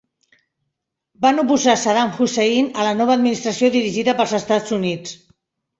Van oposar Saddam Hussein a la nova administració dirigida pels Estats Units.